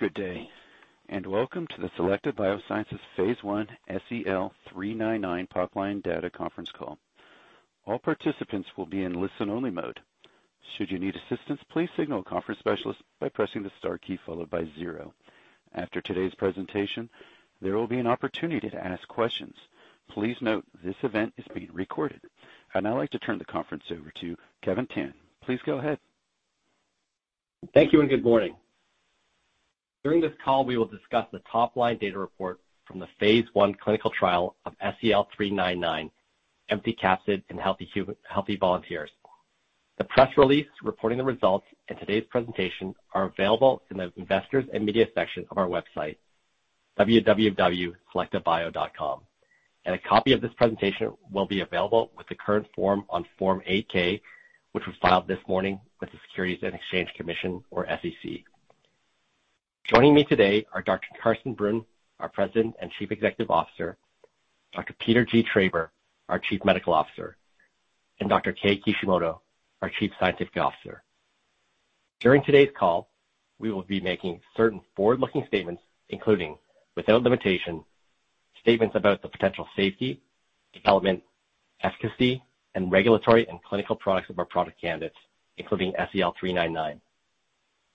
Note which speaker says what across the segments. Speaker 1: Good day, and welcome to the Selecta Biosciences phase I SEL-399 top-line data conference call. All participants will be in listen-only mode. Should you need assistance, please signal a conference specialist by pressing the star key followed by zero. After today's presentation, there will be an opportunity to ask questions. Please note this event is being recorded. I'd now like to turn the conference over to Kevin Tan. Please go ahead.
Speaker 2: Thank you and good morning. During this call, we will discuss the top-line data report from the phase I clinical trial of SEL-399 empty capsid in healthy volunteers. The press release reporting the results in today's presentation are available in the Investors and Media section of our website, www.selectabio.com. A copy of this presentation will be available with the current report on Form 8-K, which was filed this morning with the Securities and Exchange Commission, or SEC. Joining me today are Dr. Carsten Brunn, our President and Chief Executive Officer, Dr. Peter G. Traber, our Chief Medical Officer, and Dr. Kei Kishimoto, our Chief Scientific Officer. During today's call, we will be making certain forward-looking statements, including, without limitation, statements about the potential safety, development, efficacy, and regulatory and clinical prospects of our product candidates, including SEL-399,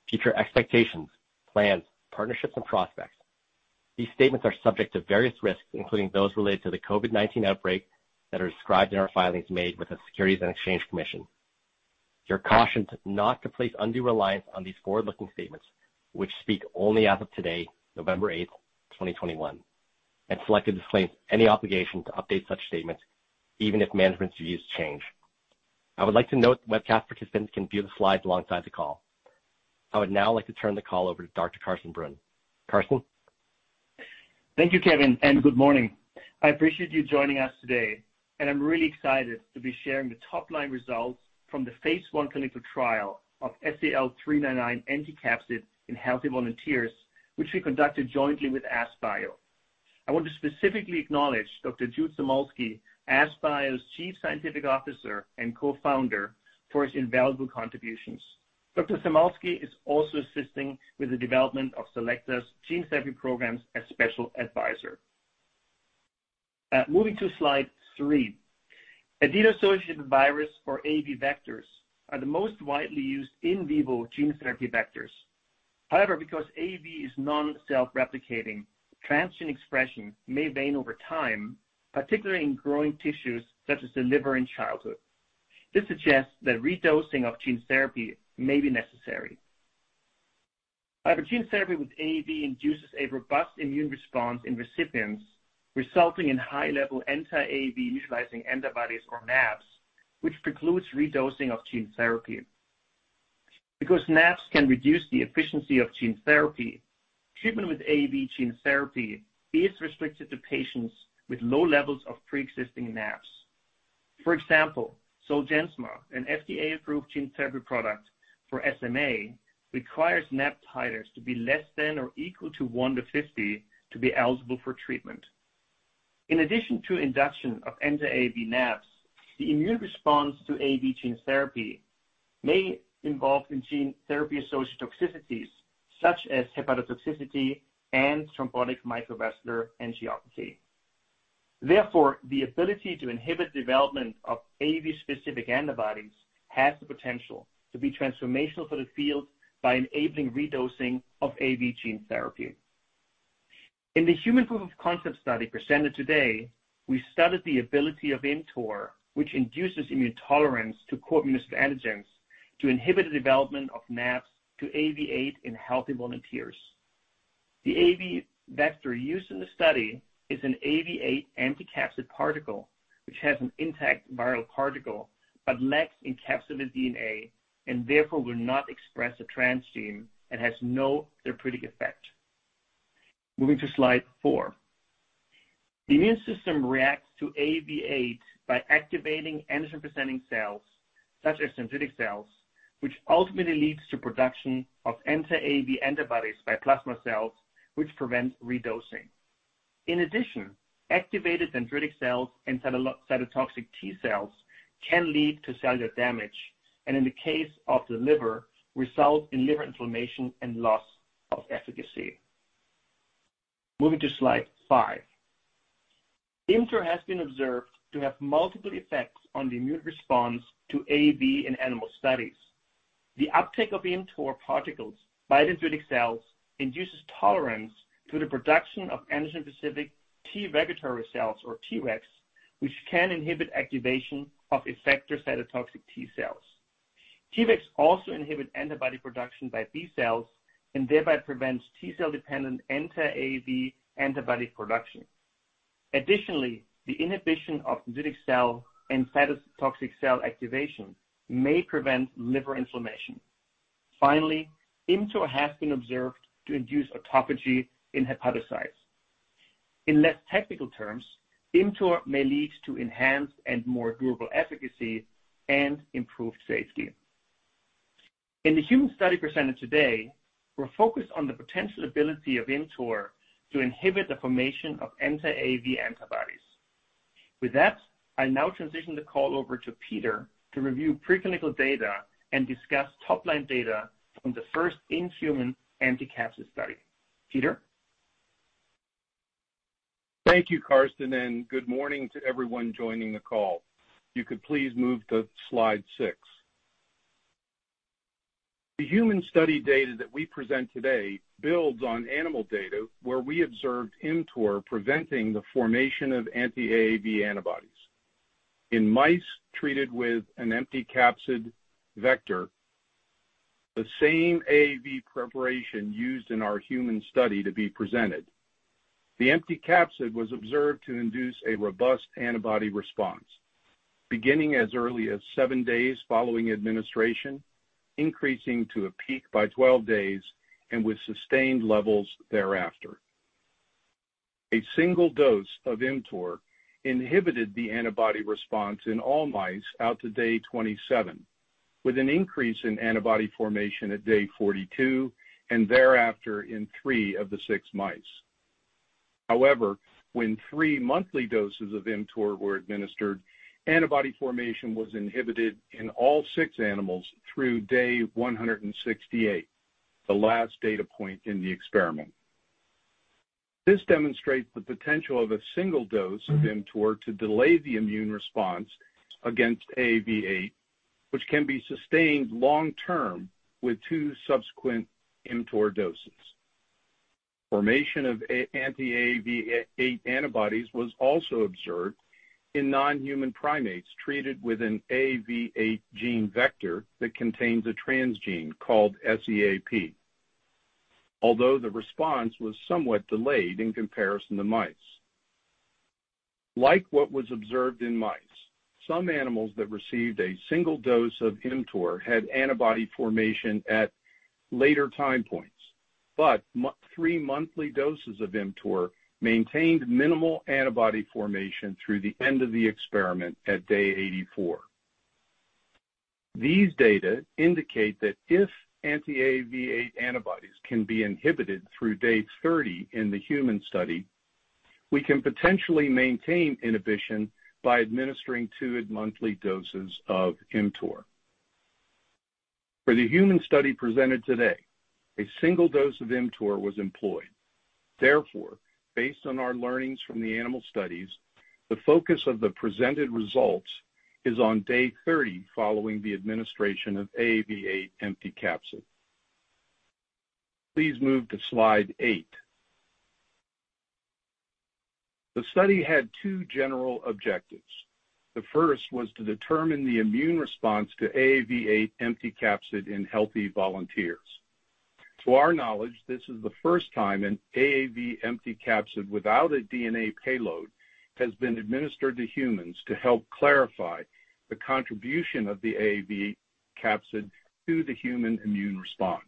Speaker 2: future expectations, plans, partnerships, and prospects. These statements are subject to various risks, including those related to the COVID-19 outbreak that are described in our filings made with the Securities and Exchange Commission. You are cautioned not to place undue reliance on these forward-looking statements which speak only as of today, November 8th, 2021, and Selecta disclaims any obligation to update such statements even if management's views change. I would like to note webcast participants can view the slides alongside the call. I would now like to turn the call over to Dr. Carsten Brunn. Carsten?
Speaker 3: Thank you, Kevin, and good morning. I appreciate you joining us today, and I'm really excited to be sharing the top-line results from the phase I clinical trial of SEL-399 empty capsid in healthy volunteers, which we conducted jointly with AskBio. I want to specifically acknowledge Dr. Jude Samulski, AskBio's Chief Scientific Officer and Co-Founder, for his invaluable contributions. Dr. Samulski is also assisting with the development of Selecta's gene therapy programs as special advisor. Moving to slide three. Adeno-associated virus or AAV vectors are the most widely used in vivo gene therapy vectors. However, because AAV is non-self-replicating, transient expression may wane over time, particularly in growing tissues such as the liver in childhood. This suggests that redosing of gene therapy may be necessary. However, gene therapy with AAV induces a robust immune response in recipients, resulting in high level anti-AAV neutralizing antibodies, or NAbs, which precludes redosing of gene therapy. Because NAbs can reduce the efficiency of gene therapy, treatment with AAV gene therapy is restricted to patients with low levels of pre-existing NAbs. For example, Zolgensma, an FDA-approved gene therapy product for SMA, requires NAbs titers to be less than or equal to 1:50 to be eligible for treatment. In addition to induction of anti-AAV NAbs, the immune response to AAV gene therapy may involve in gene therapy associated toxicities such as hepatotoxicity and thrombotic microangiopathy. Therefore, the ability to inhibit development of AAV-specific antibodies has the potential to be transformational for the field by enabling redosing of AAV gene therapy. In the human proof of concept study presented today, we studied the ability of ImmTOR, which induces immune tolerance to coated antigens to inhibit the development of NAbs to AAV8 in healthy volunteers. The AAV vector used in the study is an AAV8 empty capsid particle, which has an intact viral particle but lacks encapsidated DNA and therefore will not express a transgene and has no therapeutic effect. Moving to slide four. The immune system reacts to AAV8 by activating antigen-presenting cells, such as dendritic cells, which ultimately leads to production of anti-AAV antibodies by plasma cells, which prevent redosing. In addition, activated dendritic cells and cytotoxic T cells can lead to cellular damage, and in the case of the liver, result in liver inflammation and loss of efficacy. Moving to slide 5. ImmTOR has been observed to have multiple effects on the immune response to AAV in animal studies. The uptake of ImmTOR particles by dendritic cells induces tolerance through the production of antigen-specific T regulatory cells or T-regs, which can inhibit activation of effector cytotoxic T cells. T-regs also inhibit antibody production by B cells and thereby prevents T cell-dependent anti-AAV antibody production. Additionally, the inhibition of dendritic cell and cytotoxic cell activation may prevent liver inflammation. Finally, ImmTOR has been observed to induce autophagy in hepatocytes. In less technical terms, ImmTOR may lead to enhanced and more durable efficacy and improved safety. In the human study presented today, we're focused on the potential ability of ImmTOR to inhibit the formation of anti-AAV antibodies. With that, I now transition the call over to Peter to review preclinical data and discuss top-line data from the first in-human empty capsid study. Peter?
Speaker 4: Thank you, Carsten, and good morning to everyone joining the call. If you could please move to slide 6. The human study data that we present today builds on animal data where we observed ImmTOR preventing the formation of anti-AAV antibodies. In mice treated with an empty capsid vector, the same AAV preparation used in our human study to be presented, the empty capsid was observed to induce a robust antibody response beginning as early as seven days following administration, increasing to a peak by 12 days and with sustained levels thereafter. A single dose of ImmTOR inhibited the antibody response in all mice out to day 27, with an increase in antibody formation at day 42 and thereafter in three of the six mice. However, when three monthly doses of ImmTOR were administered, antibody formation was inhibited in all six animals through day 168, the last data point in the experiment. This demonstrates the potential of a single dose of ImmTOR to delay the immune response against AAV8, which can be sustained long term with two subsequent ImmTOR doses. Formation of anti-AAV8 antibodies was also observed in non-human primates treated with an AAV8 gene vector that contains a transgene called SEAP, although the response was somewhat delayed in comparison to mice. Like what was observed in mice, some animals that received a single dose of ImmTOR had antibody formation at later time points. Three monthly doses of ImmTOR maintained minimal antibody formation through the end of the experiment at day 84. These data indicate that if anti-AAV8 antibodies can be inhibited through day 30 in the human study, we can potentially maintain inhibition by administering two monthly doses of ImmTOR. For the human study presented today, a single dose of ImmTOR was employed. Therefore, based on our learnings from the animal studies, the focus of the presented results is on day 30 following the administration of AAV8 empty capsid. Please move to slide 8. The study had two general objectives. The first was to determine the immune response to AAV8 empty capsid in healthy volunteers. To our knowledge, this is the first time an AAV empty capsid without a DNA payload has been administered to humans to help clarify the contribution of the AAV capsid to the human immune response.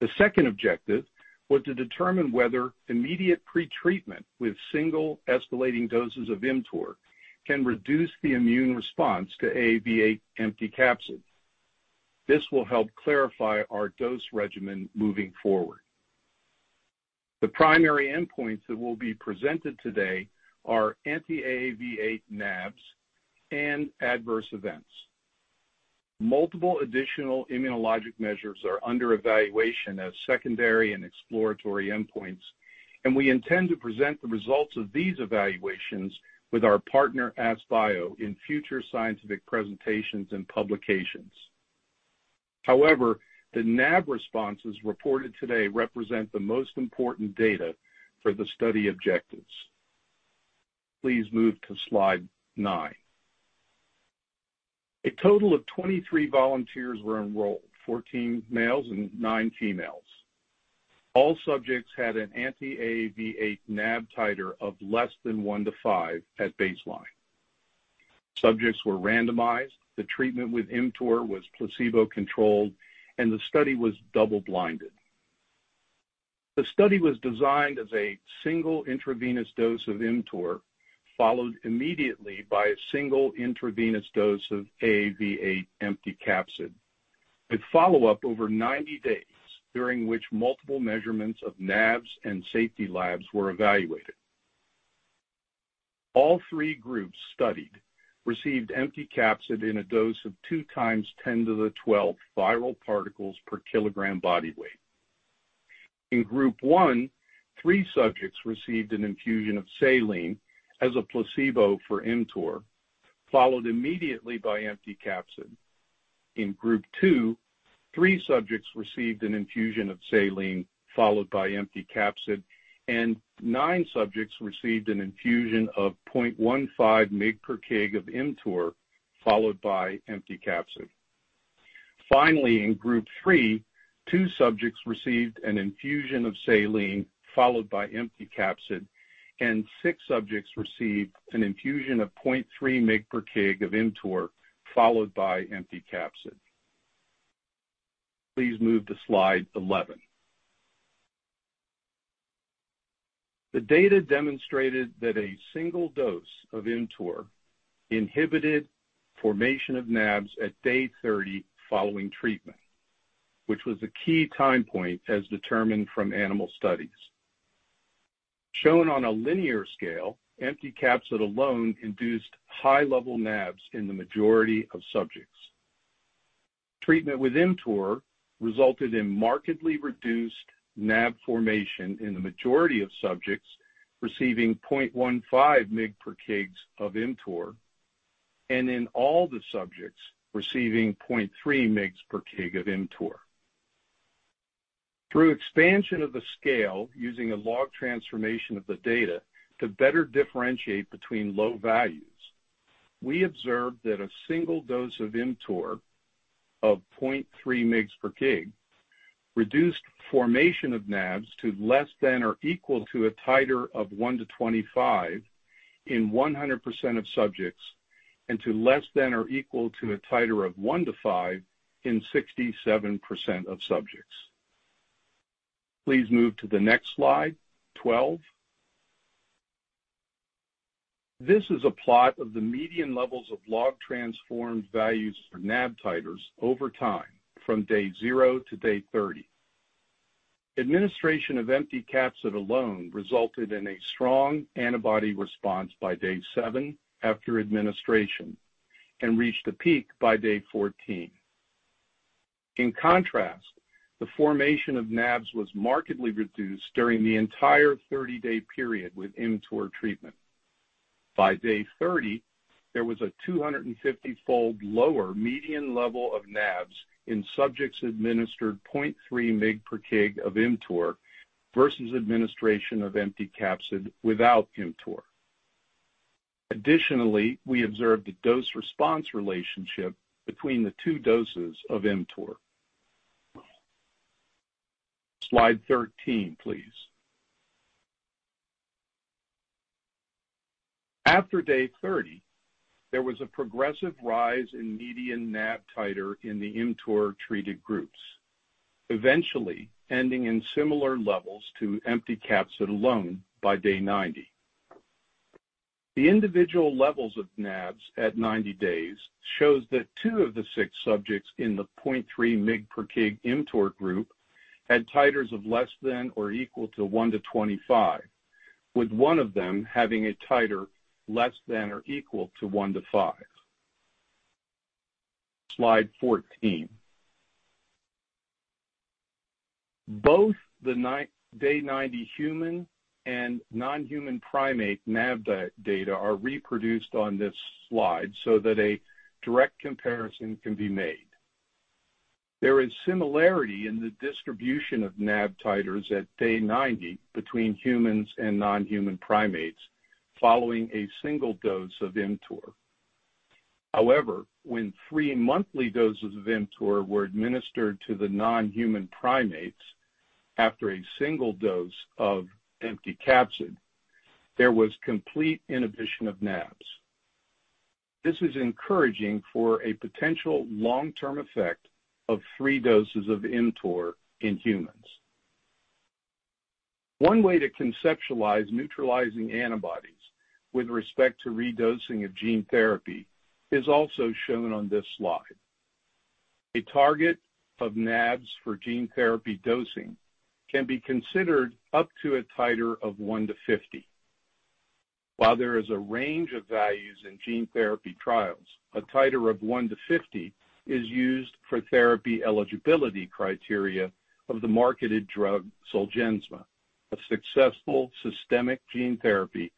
Speaker 4: The second objective was to determine whether immediate pretreatment with single escalating doses of ImmTOR can reduce the immune response to AAV8 empty capsid. This will help clarify our dose regimen moving forward. The primary endpoints that will be presented today are anti-AAV8 NABs and adverse events. Multiple additional immunologic measures are under evaluation as secondary and exploratory endpoints, and we intend to present the results of these evaluations with our partner, AskBio, in future scientific presentations and publications. However, the NAB responses reported today represent the most important data for the study objectives. Please move to slide nine. A total of 23 volunteers were enrolled, 14 males and nine females. All subjects had an anti-AAV8 NAB titer of less than one-five at baseline. Subjects were randomized, the treatment with ImmTOR was placebo-controlled, and the study was double-blinded. The study was designed as a single intravenous dose of ImmTOR, followed immediately by a single intravenous dose of AAV8 empty capsid, with follow-up over 90 days, during which multiple measurements of NAbs and safety labs were evaluated. All three groups studied received empty capsid in a dose of 2 × 10^12 viral particles per kilogram body weight. In group one, three subjects received an infusion of saline as a placebo for ImmTOR, followed immediately by empty capsid. In group two, three subjects received an infusion of saline, followed by empty capsid. Nine subjects received an infusion of 0.15 mg/kg of ImmTOR, followed by empty capsid. In group three, two subjects received an infusion of saline, followed by empty capsid, and six subjects received an infusion of 0.3 mg/kg of ImmTOR, followed by empty capsid. Please move to slide 11. The data demonstrated that a single dose of ImmTOR inhibited formation of NAbs at day 30 following treatment, which was the key time point as determined from animal studies. Shown on a linear scale, empty capsid alone induced high-level NAbs in the majority of subjects. Treatment with ImmTOR resulted in markedly reduced NAbs formation in the majority of subjects receiving 0.15 mg/kg of ImmTOR, and in all the subjects receiving 0.3 mg/kg of ImmTOR. Through expansion of the scale using a log transformation of the data to better differentiate between low values, we observed that a single dose of ImmTOR of 0.3 mg per kg reduced formation of NAbs to less than or equal to a titer of 1 to 25 in 100% of subjects, and to less than or equal to a titer of 1 to 5 in 67% of subjects. Please move to the next slide, 12. This is a plot of the median levels of log transformed values for NAbs titers over time from day zero to day 30. Administration of empty capsid alone resulted in a strong antibody response by day seven after administration and reached a peak by day 14. In contrast, the formation of NAbs was markedly reduced during the entire 30-day period with ImmTOR treatment. By day 30, there was a 250-fold lower median level of NAbs in subjects administered 0.3 mg per kg of ImmTOR versus administration of empty capsid without ImmTOR. Additionally, we observed a dose-response relationship between the two doses of ImmTOR. Slide 13, please. After day 30, there was a progressive rise in median NAbs titer in the ImmTOR-treated groups, eventually ending in similar levels to empty capsid alone by day 90. The individual levels of NAbs at 90 days shows that two of the six subjects in the 0.3 mg per kg ImmTOR group had titers of less than or equal to 1:25, with one of them having a titer less than or equal to 1:5. Slide 14. Both the 90-day human and non-human primate NAb data are reproduced on this slide so that a direct comparison can be made. There is similarity in the distribution of NAb titers at day 90 between humans and non-human primates following a single dose of ImmTOR. However, when three monthly doses of ImmTOR were administered to the non-human primates after a single dose of empty capsid, there was complete inhibition of NAbs. This is encouraging for a potential long-term effect of three doses of ImmTOR in humans. One way to conceptualize neutralizing antibodies with respect to redosing of gene therapy is also shown on this slide. A target of NAbs for gene therapy dosing can be considered up to a titer of 1-50. While there is a range of values in gene therapy trials, a titer of 1-50 is used for therapy eligibility criteria of the marketed drug Zolgensma, a successful systemic gene therapy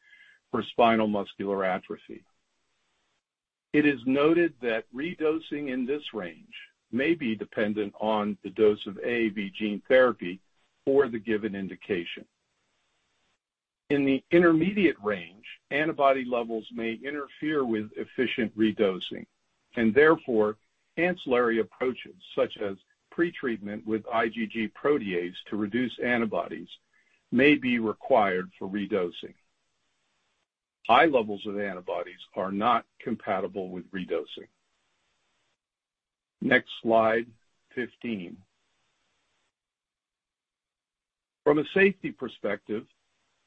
Speaker 4: for spinal muscular atrophy. It is noted that redosing in this range may be dependent on the dose of AAV gene therapy for the given indication. In the intermediate range, antibody levels may interfere with efficient redosing and therefore ancillary approaches such as pretreatment with IgG protease to reduce antibodies may be required for redosing. High levels of antibodies are not compatible with redosing. Next slide 15. From a safety perspective,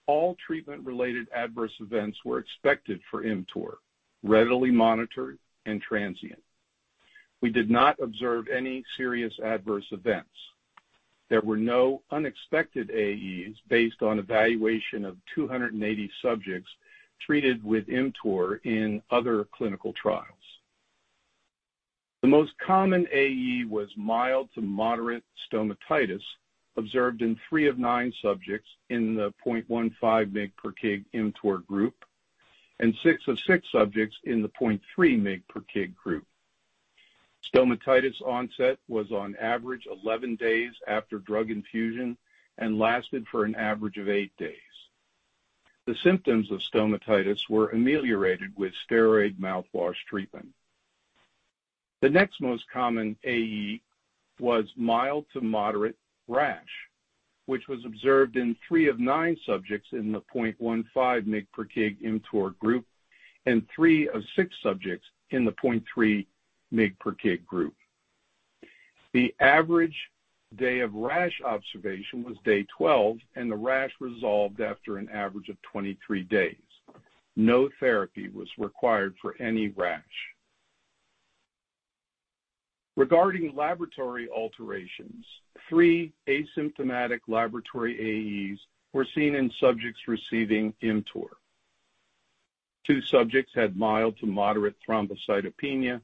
Speaker 4: all treatment-related adverse events were expected for ImmTOR, readily monitored and transient. We did not observe any serious adverse events. There were no unexpected AEs based on evaluation of 280 subjects treated with ImmTOR in other clinical trials. The most common AE was mild to moderate stomatitis, observed in 3 of 9 subjects in the 0.15 mg per kg ImmTOR group, and 6 of 6 subjects in the 0.3 mg per kg group. Stomatitis onset was on average 11 days after drug infusion and lasted for an average of 8 days. The symptoms of stomatitis were ameliorated with steroid mouthwash treatment. The next most common AE was mild to moderate rash, which was observed in 3 of 9 subjects in the 0.15 mg per kg ImmTOR group and 3 of 6 subjects in the 0.3 mg per kg group. The average day of rash observation was day 12, and the rash resolved after an average of 23 days. No therapy was required for any rash. Regarding laboratory alterations, three asymptomatic laboratory AEs were seen in subjects receiving ImmTOR. Two subjects had mild to moderate thrombocytopenia,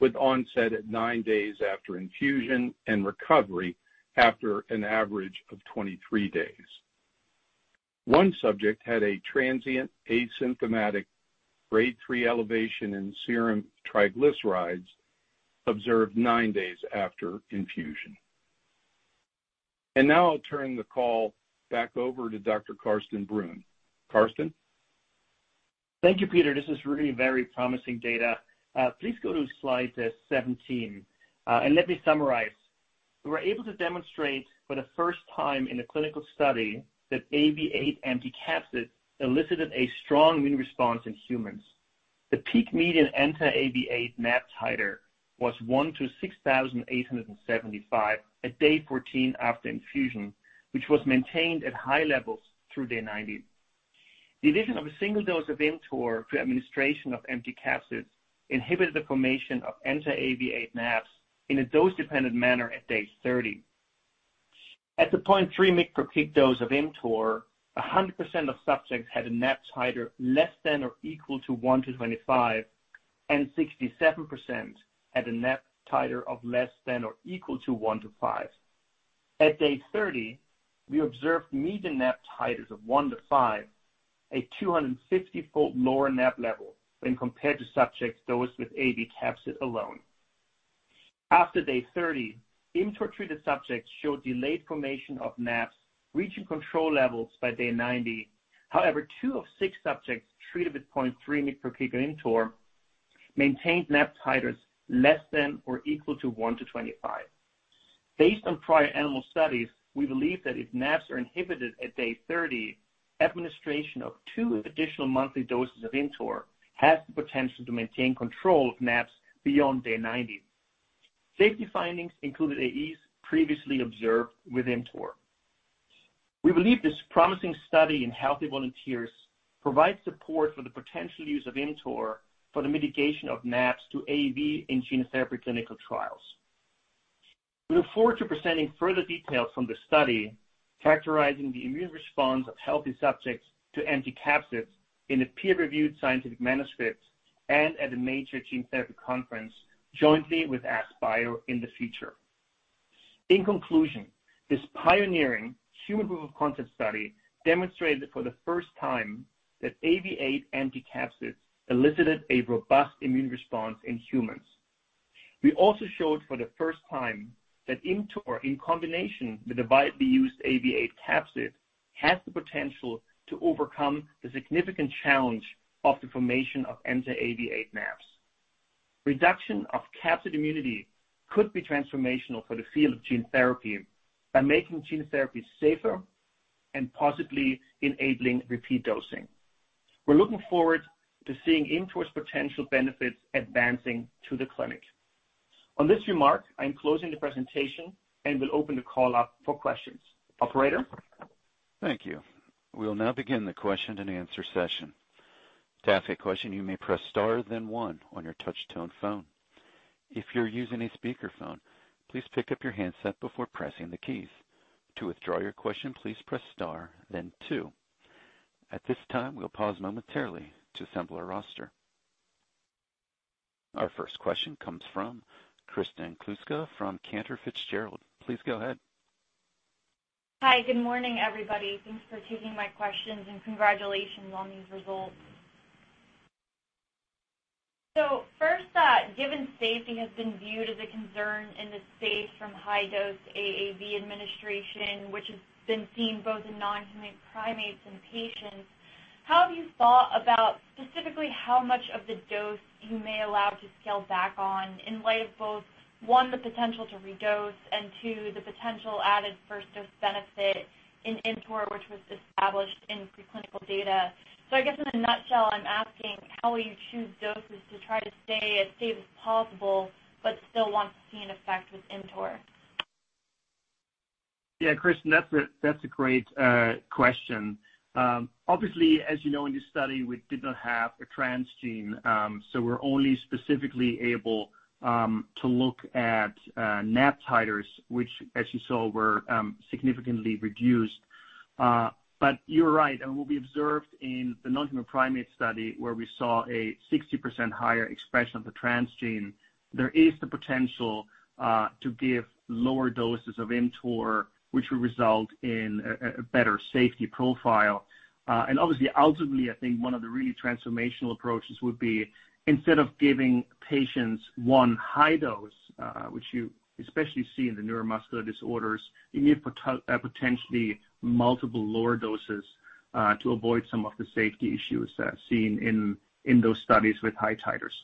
Speaker 4: with onset at nine days after infusion and recovery after an average of 23 days. One subject had a transient asymptomatic Grade three elevation in serum triglycerides observed nine days after infusion. Now I'll turn the call back over to Dr. Carsten Brunn. Carsten?
Speaker 3: Thank you, Peter. This is really very promising data. Please go to slide 17, and let me summarize. We were able to demonstrate for the first time in a clinical study that AAV8 anticapsid elicited a strong immune response in humans. The peak median anti-AAV8 NAb titer was 1:6,875 at day 14 after infusion, which was maintained at high levels through day 90. The addition of a single dose of ImmTOR to administration of empty capsid inhibited the formation of anti-AAV8 NAbs in a dose-dependent manner at day 30. At the 0.3 mg per kg dose of ImmTOR, 100% of subjects had a NAb titer less than or equal to 1:25, and 67% had a NAb titer of less than or equal to 1:5. At day 30, we observed median NAbs titers of 1-5, a 250-fold lower NAbs level when compared to subjects dosed with AAV capsid alone. After day 30, ImmTOR-treated subjects showed delayed formation of NAbs, reaching control levels by day 90. However, 2 of 6 subjects treated with 0.3 mg per kg ImmTOR maintained NAbs titers less than or equal to 1-25. Based on prior animal studies, we believe that if NAbs are inhibited at day 30, administration of two additional monthly doses of ImmTOR has the potential to maintain control of NAbs beyond day 90. Safety findings included AEs previously observed with ImmTOR. We believe this promising study in healthy volunteers provides support for the potential use of ImmTOR for the mitigation of NAbs to AAV in gene therapy clinical trials. We look forward to presenting further details from the study characterizing the immune response of healthy subjects to anti-capsid in a peer-reviewed scientific manuscript and at a major gene therapy conference jointly with AskBio in the future. In conclusion, this pioneering human proof-of-concept study demonstrated for the first time that AAV8 anti-capsid elicited a robust immune response in humans. We also showed for the first time that ImmTOR, in combination with the widely used AAV8 capsid, has the potential to overcome the significant challenge of the formation of anti-AAV8 NAbs. Reduction of capsid immunity could be transformational for the field of gene therapy by making gene therapy safer and possibly enabling repeat dosing. We're looking forward to seeing ImmTOR's potential benefits advancing to the clinic. On this remark, I'm closing the presentation and will open the call up for questions. Operator?
Speaker 1: Thank you. We'll now begin the question-and-answer session. To ask a question, you may press star then one on your touch-tone phone. If you're using a speakerphone, please pick up your handset before pressing the keys. To withdraw your question, please press star then two. At this time, we'll pause momentarily to assemble our roster. Our first question comes from Kristen Kluska from Cantor Fitzgerald. Please go ahead.
Speaker 5: Hi. Good morning, everybody. Thanks for taking my questions and congratulations on these results. First, given safety has been viewed as a concern in the space from high-dose AAV administration, which has been seen both in non-human primates and patients, how have you thought about specifically how much of the dose you may allow to scale back on in light of both, one, the potential to redose and, two, the potential added first dose benefit in ImmTOR, which was established in preclinical data? I guess in a nutshell, I'm asking how will you choose doses to try to stay as safe as possible but still want to see an effect with ImmTOR?
Speaker 3: Yeah, Kristen, that's a great question. Obviously, as you know, in this study, we did not have a transgene, so we're only specifically able to look at NAb titers, which as you saw were significantly reduced. You're right, and what we observed in the non-human primate study where we saw 60% higher expression of the transgene, there is the potential to give lower doses of ImmTOR, which will result in a better safety profile. Obviously, ultimately, I think one of the really transformational approaches would be instead of giving patients one high dose, which you especially see in the neuromuscular disorders, you give potentially multiple lower doses to avoid some of the safety issues seen in those studies with high titers.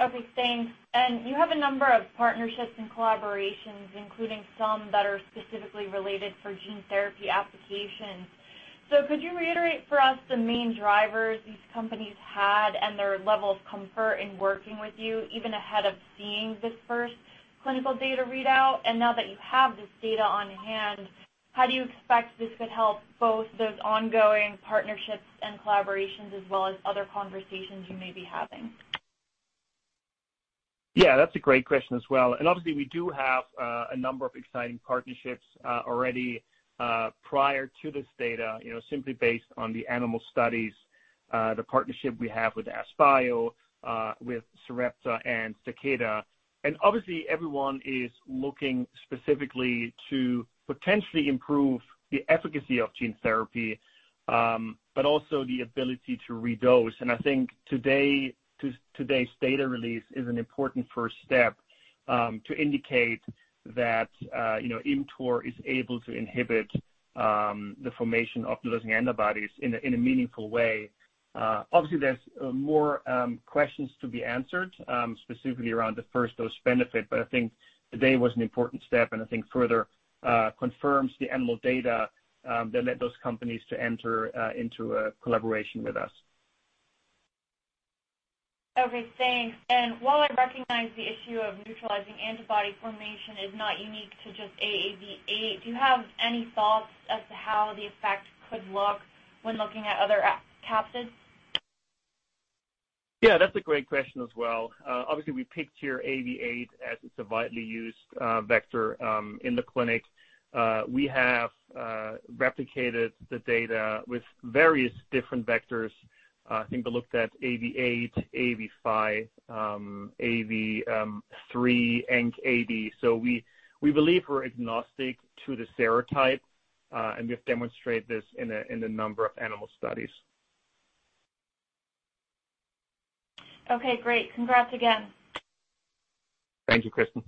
Speaker 5: Okay, thanks. You have a number of partnerships and collaborations, including some that are specifically related for gene therapy applications. Could you reiterate for us the main drivers these companies had and their level of comfort in working with you even ahead of seeing this first clinical data readout? Now that you have this data on hand, how do you expect this could help both those ongoing partnerships and collaborations as well as other conversations you may be having?
Speaker 3: Yeah, that's a great question as well. Obviously we do have a number of exciting partnerships already prior to this data, you know, simply based on the animal studies, the partnership we have with AskBio, with Sarepta and Takeda. Obviously everyone is looking specifically to potentially improve the efficacy of gene therapy, but also the ability to redose. I think today's data release is an important first step to indicate that, you know, ImmTOR is able to inhibit the formation of neutralizing antibodies in a meaningful way. Obviously there's more questions to be answered specifically around the first dose benefit, but I think today was an important step and I think further confirms the animal data that led those companies to enter into a collaboration with us.
Speaker 5: Okay, thanks. While I recognize the issue of neutralizing antibody formation is not unique to just AAV8, do you have any thoughts as to how the effect could look when looking at other capsids?
Speaker 3: Yeah, that's a great question as well. Obviously we picked here AAV8 as it's a widely used vector in the clinic. We have replicated the data with various different vectors. I think we looked at AAV8, AAV5, AAV3 and AAVrh10. So we believe we're agnostic to the serotype, and we have demonstrated this in a number of animal studies.
Speaker 5: Okay, great. Congrats again.
Speaker 3: Thank you, Kristen.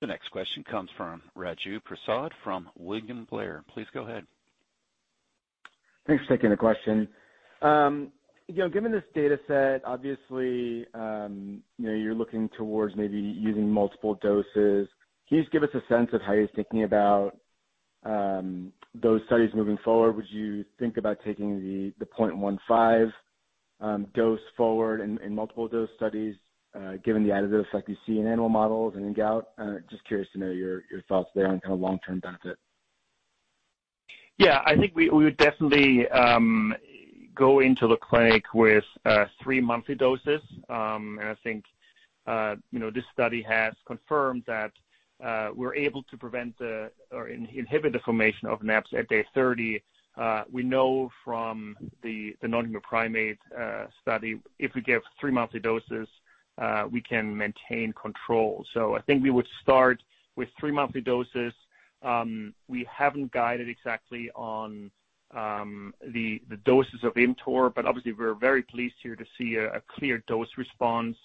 Speaker 1: The next question comes from Raju Prasad from William Blair. Please go ahead.
Speaker 6: Thanks for taking the question. You know, given this data set, obviously, you know, you're looking towards maybe using multiple doses. Can you just give us a sense of how you're thinking about those studies moving forward? Would you think about taking the 0.15 dose forward in multiple dose studies, given the additive effect you see in animal models and in gout? Just curious to know your thoughts there on kind of long-term benefit.
Speaker 3: Yeah. I think we would definitely go into the clinic with three monthly doses. I think you know, this study has confirmed that we're able to inhibit the formation of NAbs at day 30. We know from the non-human primate study if we give three monthly doses, we can maintain control. I think we would start with three monthly doses. We haven't guided exactly on the doses of ImmTOR, but obviously we're very pleased here to see a clear dose response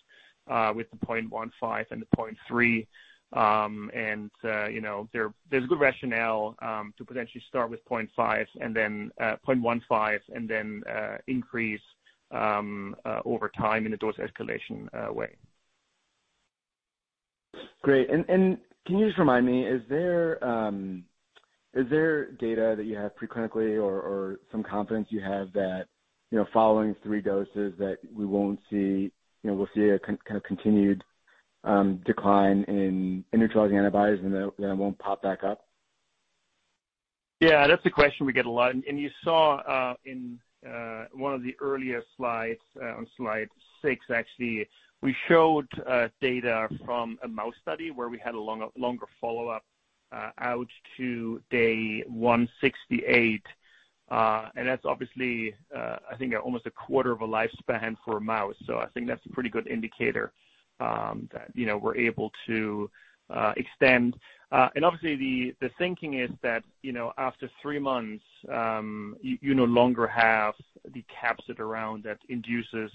Speaker 3: with the 0.15 and the 0.3. You know, there's good rationale to potentially start with 0.5 and then 0.15 and then increase over time in a dose escalation way.
Speaker 6: Great. Can you just remind me, is there data that you have pre-clinically or some confidence you have that, you know, following three doses that we won't see, you know, we'll see a kind of continued decline in neutralizing antibodies and that won't pop back up?
Speaker 3: Yeah, that's a question we get a lot. You saw in one of the earlier slides on slide 6, actually, we showed data from a mouse study where we had a longer follow-up out to day 168. That's obviously, I think, almost a quarter of a lifespan for a mouse. I think that's a pretty good indicator that you know we're able to extend. Obviously the thinking is that you know after 3 months you no longer have the capsid around that induces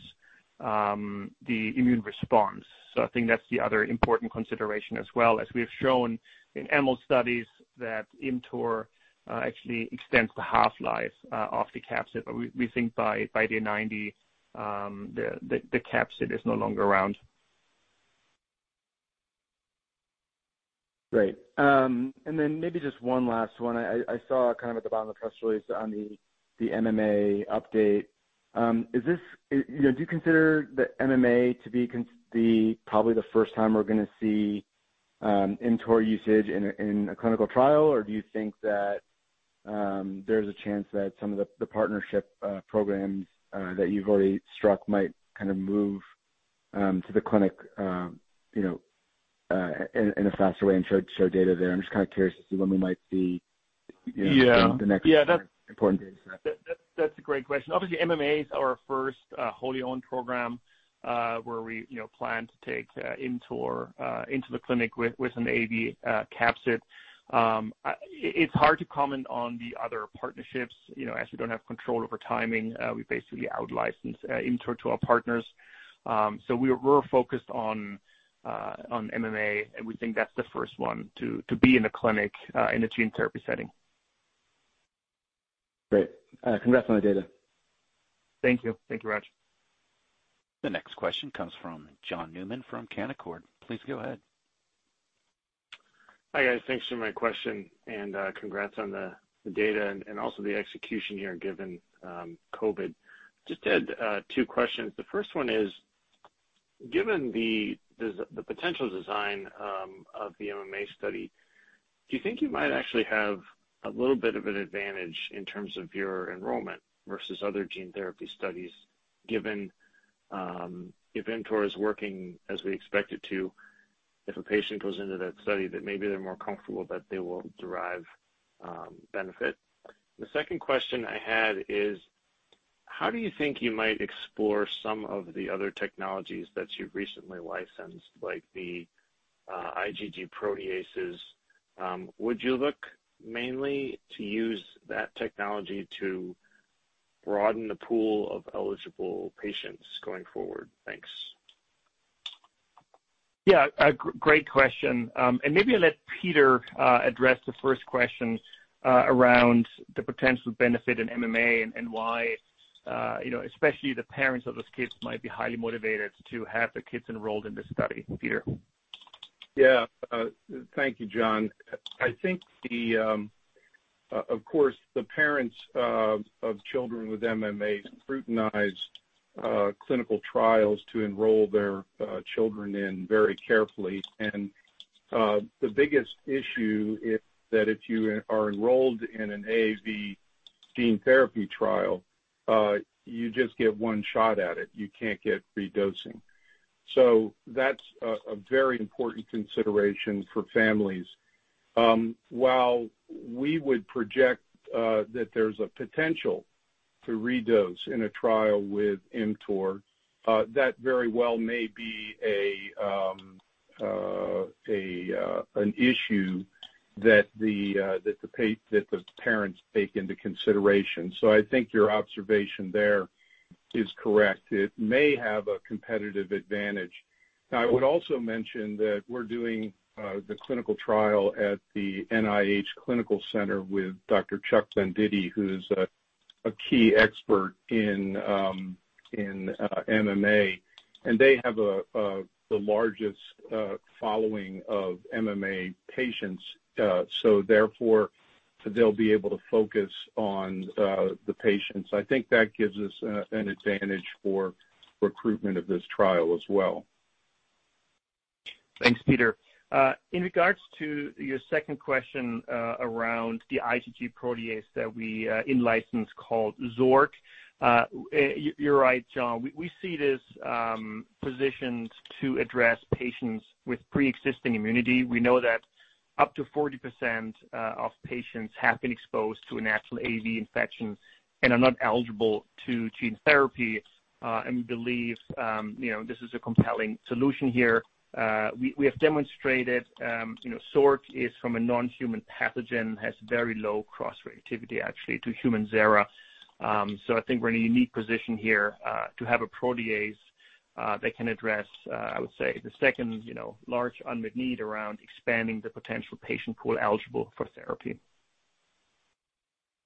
Speaker 3: the immune response. I think that's the other important consideration as well as we have shown in animal studies that ImmTOR actually extends the half-life of the capsid. We think by day 90, the capsid is no longer around.
Speaker 6: Great. Maybe just one last one. I saw kind of at the bottom of the press release on the MMA update. Is this, you know, do you consider the MMA to be probably the first time we're gonna see ImmTOR usage in a clinical trial? Or do you think that there's a chance that some of the partnership programs that you've already struck might kind of move to the clinic, you know, in a faster way and show data there? I'm just kind of curious as to when we might see, you know.
Speaker 3: Yeah.
Speaker 6: The next important data set.
Speaker 3: That's a great question. Obviously, MMA is our first wholly owned program where we plan to take ImmTOR into the clinic with an AAV capsid. It's hard to comment on the other partnerships, you know, as we don't have control over timing. We basically outlicense ImmTOR to our partners. We're focused on MMA, and we think that's the first one to be in the clinic in a gene therapy setting.
Speaker 6: Great. Congrats on the data.
Speaker 3: Thank you. Thank you, Raju.
Speaker 1: The next question comes from John Newman from Canaccord. Please go ahead.
Speaker 7: Hi, guys. Thanks for my question and congrats on the data and also the execution here, given COVID. Just had two questions. The first one is: Given the potential design of the MMA study, do you think you might actually have a little bit of an advantage in terms of your enrollment versus other gene therapy studies given if ImmTOR is working as we expect it to, if a patient goes into that study that maybe they're more comfortable that they will derive benefit? The second question I had is: How do you think you might explore some of the other technologies that you've recently licensed, like the IgG proteases? Would you look mainly to use that technology to broaden the pool of eligible patients going forward? Thanks.
Speaker 3: Yeah, a great question. Maybe I'll let Peter address the first question around the potential benefit in MMA and why you know, especially the parents of those kids might be highly motivated to have the kids enrolled in this study. Peter?
Speaker 4: Yeah. Thank you, John. I think, of course, the parents of children with MMA scrutinize clinical trials to enroll their children in very carefully. The biggest issue is that if you are enrolled in an AAV gene therapy trial, you just get one shot at it. You can't get redosing. That's a very important consideration for families. While we would project that there's a potential to redose in a trial with ImmTOR, that very well may be an issue that the parents take into consideration. I think your observation there is correct. It may have a competitive advantage. I would also mention that we're doing the clinical trial at the NIH Clinical Center with Dr. Charles P. Venditti, who's a key expert in MMA, and they have the largest following of MMA patients, so therefore, they'll be able to focus on the patients. I think that gives us an advantage for recruitment of this trial as well.
Speaker 3: Thanks, Peter. In regards to your second question, around the IgG protease that we in-licensed called Xork, you're right, John. We see it as positioned to address patients with pre-existing immunity. We know that up to 40% of patients have been exposed to a natural AAVrh10 infection and are not eligible to gene therapy, and we believe you know, this is a compelling solution here. We have demonstrated you know, Xork is from a non-human pathogen, has very low cross-reactivity actually to human sera. So I think we're in a unique position here to have a protease that can address I would say, the second you know, large unmet need around expanding the potential patient pool eligible for therapy.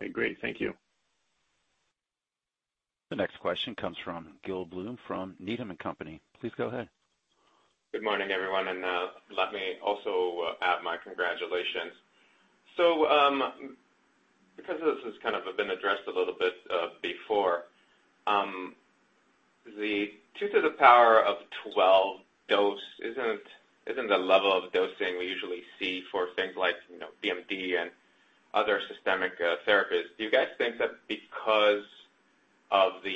Speaker 7: Okay, great. Thank you.
Speaker 1: The next question comes from Gil Blum, from Needham & Company. Please go ahead.
Speaker 8: Good morning, everyone, and let me also add my congratulations. Because this has kind of been addressed a little bit before, the 2 to the power of 12 dose isn't the level of dosing we usually see for things like, you know, BMD and other systemic therapies. Do you guys think that because of the,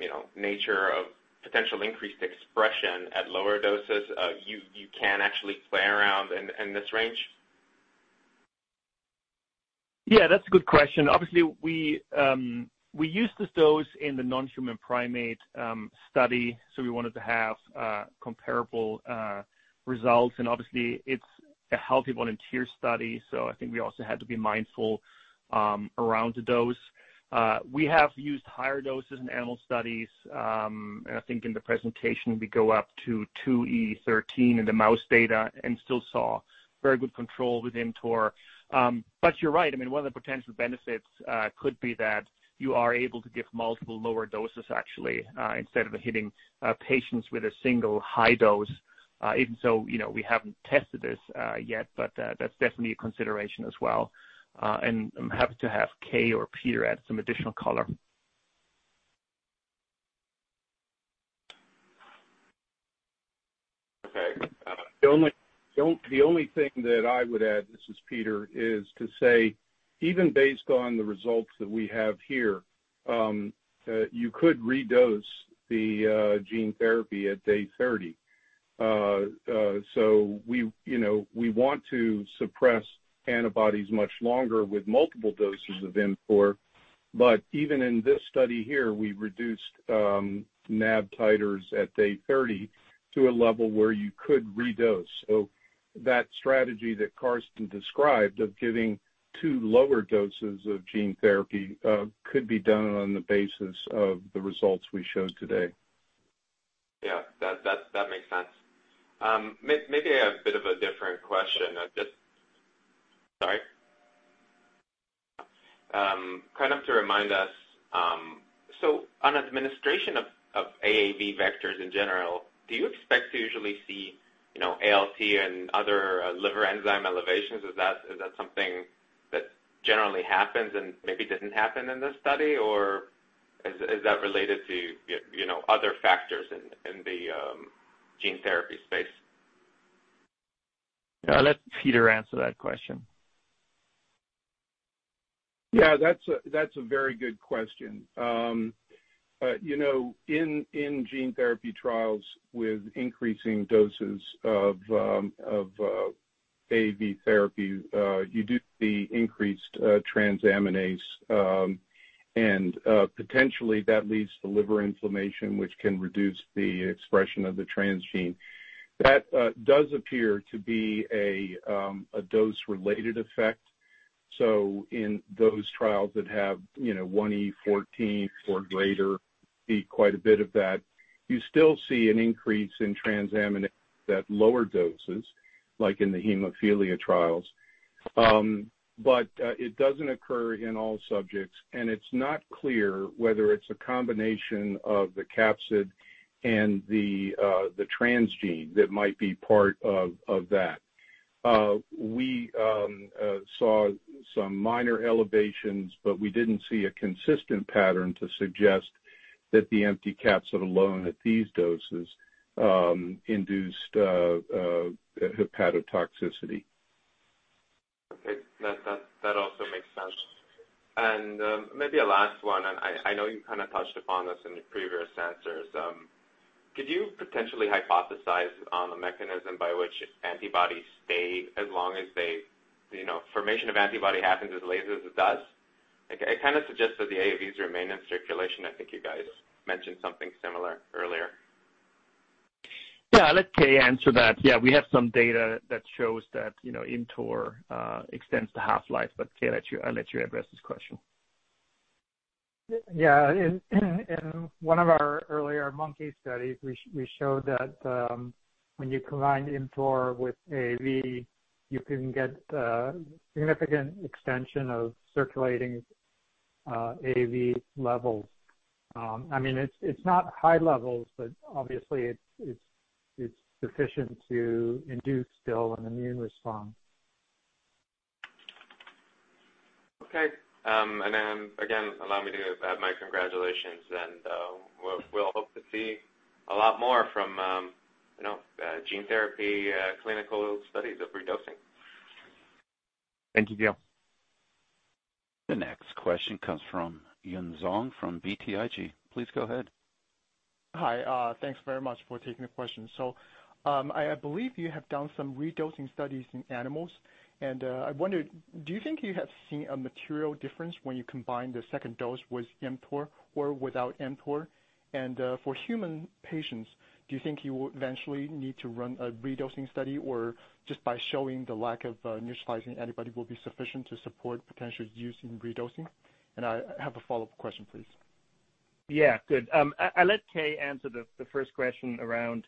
Speaker 8: you know, nature of potential increased expression at lower doses, you can actually play around in this range?
Speaker 3: Yeah, that's a good question. Obviously, we used this dose in the non-human primate study, so we wanted to have comparable results and obviously it's a healthy volunteer study, so I think we also had to be mindful around the dose. We have used higher doses in animal studies, and I think in the presentation, we go up to 2 × 10^13 in the mouse data and still saw very good control with ImmTOR. You're right. I mean, one of the potential benefits could be that you are able to give multiple lower doses actually instead of hitting patients with a single high dose. Even so, you know, we haven't tested this yet, but that's definitely a consideration as well. I'm happy to have Kei or Peter add some additional color.
Speaker 4: The only thing that I would add, this is Peter, is to say, even based on the results that we have here, you could redose the gene therapy at day 30. So we, you know, we want to suppress antibodies much longer with multiple doses of ImmTOR, but even in this study here, we reduced NAB titers at day 30 to a level where you could redose. That strategy that Carsten described of giving two lower doses of gene therapy could be done on the basis of the results we showed today.
Speaker 8: Yeah. That makes sense. Maybe I have a bit of a different question. Just kind of to remind us, so on administration of AAV vectors in general, do you expect to usually see, you know, ALT and other liver enzyme elevations? Is that something that generally happens and maybe didn't happen in this study? Or is that related to, you know, other factors in the gene therapy space?
Speaker 3: I'll let Peter answer that question.
Speaker 4: Yeah, that's a very good question. You know, in gene therapy trials with increasing doses of AAV therapy, you do see increased transaminase. Potentially that leads to liver inflammation, which can reduce the expression of the transgene. That does appear to be a dose-related effect. In those trials that have you know, 1e14 or greater, see quite a bit of that. You still see an increase in transaminase at lower doses, like in the hemophilia trials. It doesn't occur in all subjects, and it's not clear whether it's a combination of the capsid and the transgene that might be part of that. We saw some minor elevations, but we didn't see a consistent pattern to suggest that the empty capsid alone at these doses induced hepatotoxicity.
Speaker 8: Okay. That also makes sense. Maybe a last one, and I know you kinda touched upon this in your previous answers. Could you potentially hypothesize on the mechanism by which antibodies stay as long as they? You know, formation of antibody happens as late as it does. Okay. It kind of suggests that the AAVs remain in circulation. I think you guys mentioned something similar earlier.
Speaker 3: Yeah, I'll let Kei Kishimoto answer that. Yeah, we have some data that shows that, you know, ImmTOR extends the half-life. But, Kei Kishimoto, I'll let you address this question.
Speaker 9: Yeah. In one of our earlier monkey studies, we showed that when you combine ImmTOR with AAV, you can get significant extension of circulating AAV levels. I mean, it's not high levels, but obviously it's sufficient to induce still an immune response.
Speaker 8: Okay. Again, allow me to add my congratulations and, we'll hope to see a lot more from, you know, gene therapy clinical studies of redosing.
Speaker 3: Thank you, Gil.
Speaker 1: The next question comes from Yun Zhong, from BTIG. Please go ahead.
Speaker 10: Hi. Thanks very much for taking the question. I believe you have done some redosing studies in animals, and I wondered, do you think you have seen a material difference when you combine the second dose with ImmTOR or without ImmTOR? For human patients, do you think you will eventually need to run a redosing study, or just by showing the lack of neutralizing antibody will be sufficient to support potential use in redosing? I have a follow-up question, please.
Speaker 3: Yeah. Good. I'll let Kei answer the first question around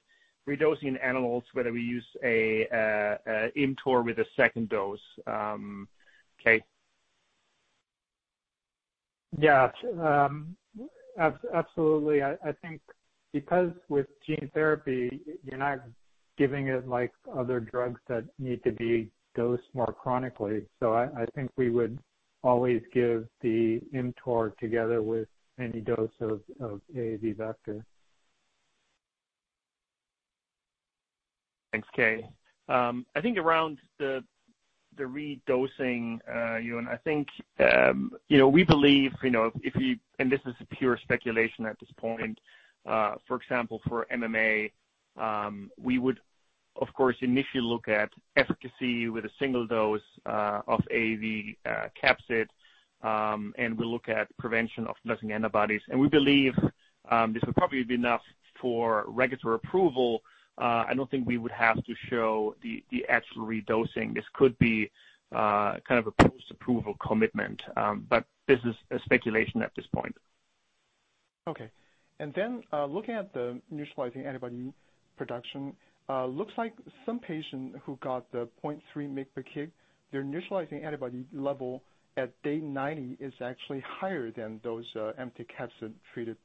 Speaker 3: redosing animals, whether we use a ImmTOR with a second dose. Kei?
Speaker 9: Yeah. Absolutely. I think because with gene therapy you're not giving it like other drugs that need to be dosed more chronically. I think we would always give the ImmTOR together with any dose of AAV vector.
Speaker 3: Thanks, Kei. I think around the redosing, Yun, I think, you know, we believe, you know. This is pure speculation at this point. For example, for MMA, we would of course initially look at efficacy with a single dose of AAV capsid, and we'll look at prevention of neutralizing antibodies. We believe this will probably be enough for regulatory approval. I don't think we would have to show the actual redosing. This could be kind of a post-approval commitment. This is a speculation at this point.
Speaker 10: Okay. Looking at the neutralizing antibody production, looks like some patient who got the 0.3 mg per kg, their neutralizing antibody level at day 90 is actually higher than those empty capsid-treated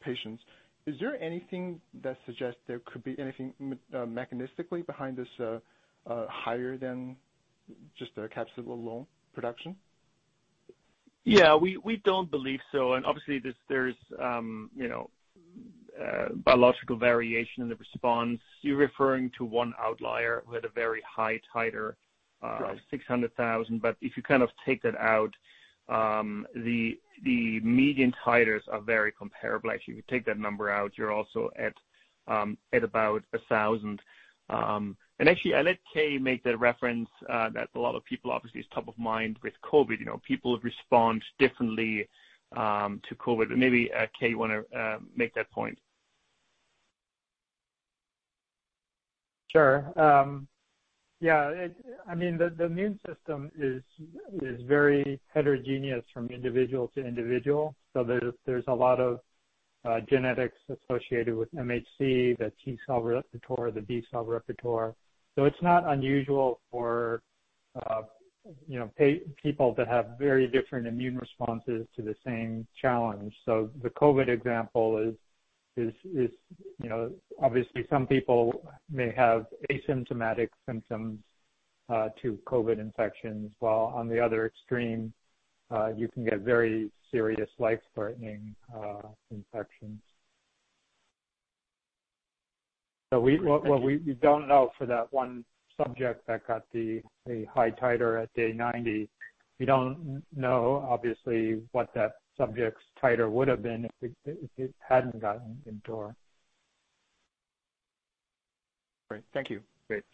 Speaker 10: patients. Is there anything that suggests there could be anything mechanistically behind this higher than just a capsid alone production?
Speaker 3: Yeah. We don't believe so, and obviously there's you know biological variation in the response. You're referring to one outlier with a very high titer.
Speaker 10: Right.
Speaker 3: 600,000. If you kind of take that out, the median titers are very comparable. Actually, if you take that number out, you're also at about 1,000. Actually, I'll let Kei make the reference that a lot of people obviously is top of mind with COVID. You know, people respond differently to COVID. Maybe, Kei, you wanna make that point.
Speaker 9: Sure. I mean, the immune system is very heterogeneous from individual to individual, so there's a lot of genetics associated with MHC, the T cell repertoire, the B cell repertoire. It's not unusual for, you know, people to have very different immune responses to the same challenge. The COVID example is, you know, obviously some people may have asymptomatic symptoms to COVID infections, while on the other extreme, you can get very serious life-threatening infections. What we don't know for that one subject that got the high titer at day 90, we don't know obviously what that subject's titer would have been if it hadn't gotten ImmTOR.
Speaker 10: Great. Thank you.
Speaker 9: Great.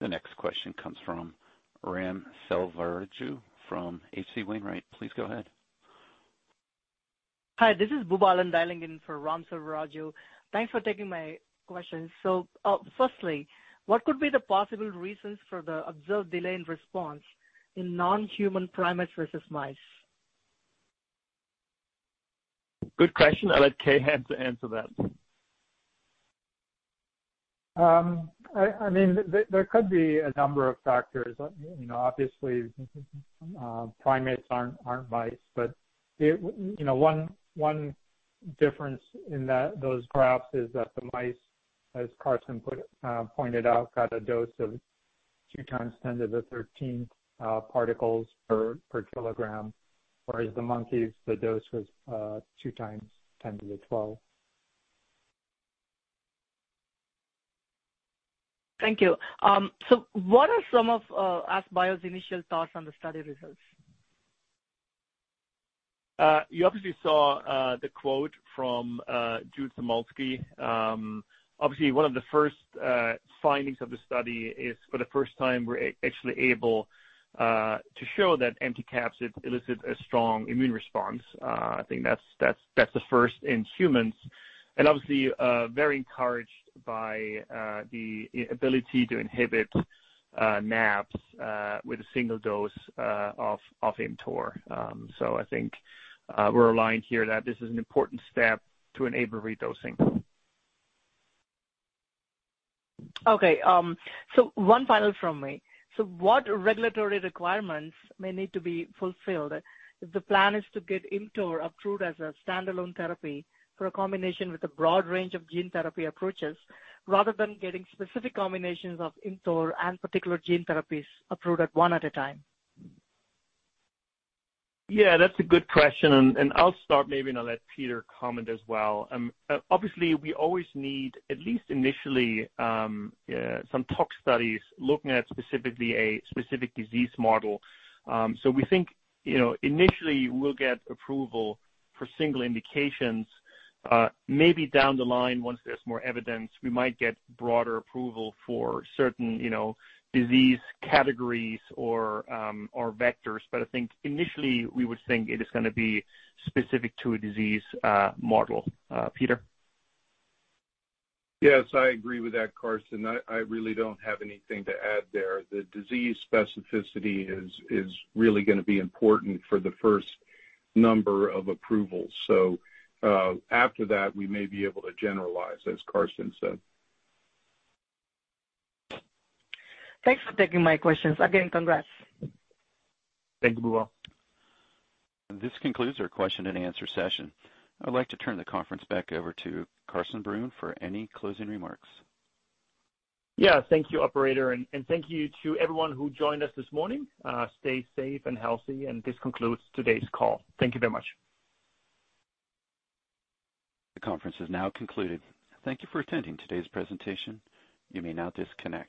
Speaker 1: The next question comes from Ram Selvaraju from H.C. Wainwright. Please go ahead.
Speaker 11: Hi, this is Boobalan dialing in for Ram Selvaraju. Thanks for taking my question. Firstly, what could be the possible reasons for the observed delay in response in non-human primates versus mice?
Speaker 3: Good question. I'll let Kei Kishimoto to answer that.
Speaker 9: I mean, there could be a number of factors. You know, obviously, primates aren't mice. You know, one difference in those graphs is that the mice, as Carsten put it, pointed out, got a dose of 2 x 10^13 particles per kilogram. Whereas the monkeys, the dose was 2 x 10^12.
Speaker 11: Thank you. What are some of AskBio's initial thoughts on the study results?
Speaker 3: You obviously saw the quote from Jude Samulski. Obviously one of the first findings of the study is for the first time, we're actually able to show that empty capsid elicit a strong immune response. I think that's a first in humans. Obviously very encouraged by the ability to inhibit NAbs with a single dose of ImmTOR. I think we're aligned here that this is an important step to enable redosing.
Speaker 11: Okay. One final question from me. What regulatory requirements may need to be fulfilled if the plan is to get ImmTOR approved as a standalone therapy for a combination with a broad range of gene therapy approaches, rather than getting specific combinations of ImmTOR and particular gene therapies approved one at a time?
Speaker 3: Yeah, that's a good question, and I'll start maybe and I'll let Peter comment as well. Obviously, we always need, at least initially, some tox studies looking at specifically a specific disease model. So we think, you know, initially we'll get approval for single indications, maybe down the line, once there's more evidence, we might get broader approval for certain, you know, disease categories or vectors. I think initially we would think it is gonna be specific to a disease model. Peter?
Speaker 4: Yes, I agree with that, Carsten. I really don't have anything to add there. The disease specificity is really gonna be important for the first number of approvals. After that, we may be able to generalize, as Carsten said.
Speaker 11: Thanks for taking my questions. Again, congrats.
Speaker 3: Thank you, Boobalan.
Speaker 1: This concludes our question and answer session. I'd like to turn the conference back over to Carsten Brunn for any closing remarks.
Speaker 3: Yeah, thank you, operator, and thank you to everyone who joined us this morning. Stay safe and healthy, and this concludes today's call. Thank you very much.
Speaker 1: The conference is now concluded. Thank you for attending today's presentation. You may now disconnect.